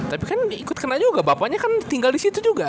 tapi kan ikut kena juga bapaknya kan tinggal disitu